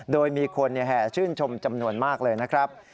โดยมีคนแห่ชื่นชมจำนวนมากเลยนะครับ